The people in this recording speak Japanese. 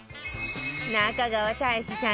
中川大志さん